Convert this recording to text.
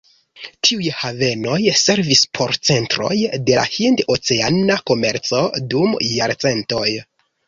Tiuj havenoj servis por centroj de la hind-oceana komerco dum jarcentoj.